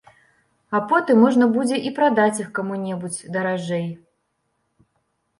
А потым можна будзе і прадаць іх каму-небудзь даражэй.